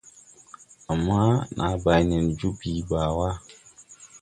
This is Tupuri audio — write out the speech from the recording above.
Ama na bay nen joo bìi baa wà.